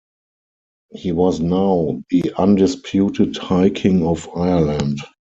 He was now the undisputed High King of Ireland.